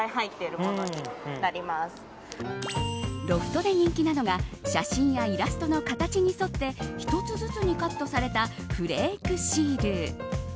ロフトで人気なのが写真やイラストの形に沿って一つずつにカットされたフレークシール。